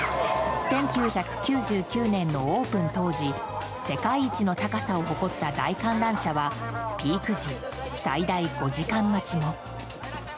１９９９年のオープン当時世界一の高さを誇った大観覧車はピーク時、最大５時間待ちも。